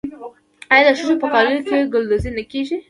آیا د ښځو په کالیو کې ګلدوزي نه کیږي؟